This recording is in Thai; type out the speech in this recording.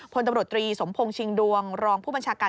พลตำรวจตรีสมพงศ์ชิงดวงรองผู้บัญชาการ